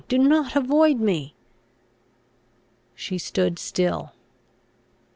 Do not avoid me!" She stood still.